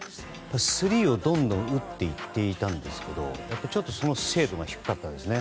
スリーをどんどん打っていたんですがちょっとその精度が低かったですね。